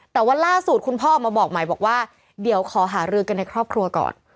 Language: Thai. แต่ว่าล่าสุดคุณพ่อออกมาบอกใหม่บอกว่าเดี๋ยวขอหารือกันในครอบครัวก่อน